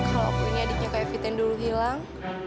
kalaupun ini adiknya ke evita yang dulu hilang